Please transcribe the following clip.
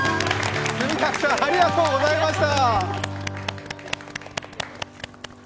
住宅さん、ありがとうございました。